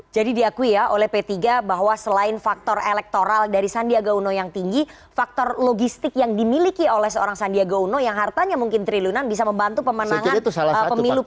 jadi diakui ya oleh p tiga bahwa selain faktor elektoral dari sandiaga uno yang tinggi faktor logistik yang dimiliki oleh seorang sandiaga uno yang hartanya mungkin triliunan bisa membantu pemenangan pemilu p tiga